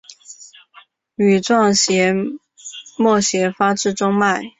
羽状脉斜发自中脉。